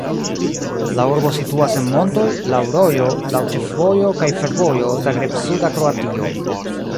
La urbo situas en montoj, laŭ rojo, laŭ ĉefvojo kaj fervojo Zagreb-suda Kroatio.